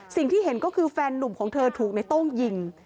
สิ่งที่เห็นก็คือแฟนนุ่มของเธอถูกในโต้งยิง